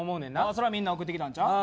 そりゃみんな送ってきたんちゃう